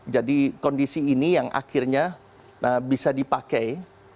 jadi kondisi ini yang akhirnya bisa dipakai